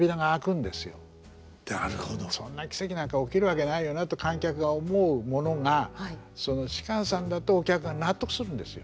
そんな奇蹟なんか起きるわけないよなと観客が思うものが芝さんだとお客が納得するんですよ。